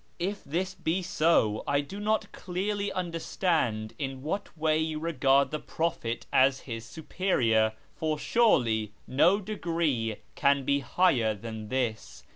If tliis be so, I do not clearly understand in what way you regard the prophet as his superior, for surely no degree can be higher than this.